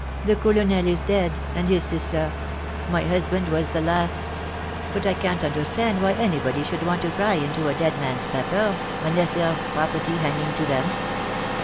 The Colonel is dead, and his sister. My husband was the last. But I can't understand why anybody should want to pry into a dead man's papers, unless there's property hanging to them."